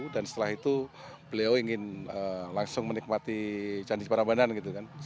dan setelah itu beliau ingin langsung menikmati candi perambanan gitu kan